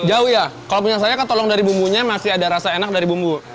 jauh ya kalau punya saya ketolong dari bumbunya masih ada rasa enak dari bumbu